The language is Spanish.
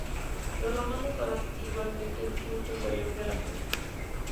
Los romanos daban igualmente un culto solemne a la fortuna.